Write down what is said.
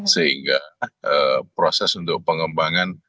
sehingga proses untuk pengembangan